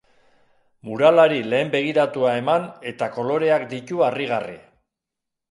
Muralari lehen begiratua eman eta koloreak ditu harrigarri.